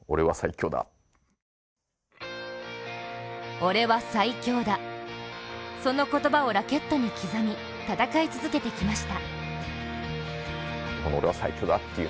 「オレは最強だ」、その言葉をラケットに刻み、戦い続けてきました。